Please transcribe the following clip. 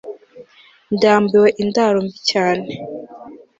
ndambiwe indaro mbi cyane